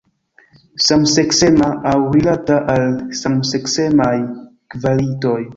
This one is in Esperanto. Samseksema aŭ rilata al samseksemaj kvalitoj.